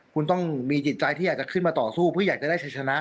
คุณต้องมีจิตใจที่อยากจะขึ้นมาต่อสู้เพื่ออยากจะได้ชัยชนะ